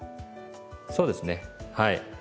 そうですねはい。